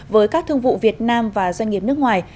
với các thương vụ việt nam và doanh nghiệp nước ngoài